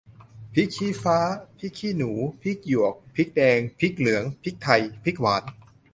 พริกชี้ฟ้า พริกขี้หนู พริกหยวก พริกแดง พริกเหลือง พริกไทย พริกหวาน